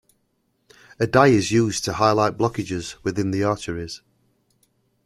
A dye is used to highlight blockages within the arteries.